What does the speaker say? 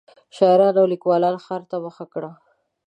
شاعرانو او لیکوالانو ښار ته مخه کړه.